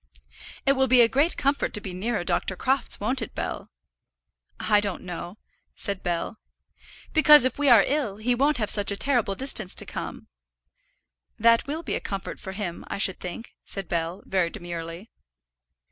"It will be a great comfort to be nearer Dr. Crofts; won't it, Bell?" "I don't know," said Bell. "Because if we are ill, he won't have such a terrible distance to come." "That will be a comfort for him, I should think," said Bell, very demurely.